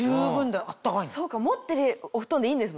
そうか持ってるお布団でいいんですもんね。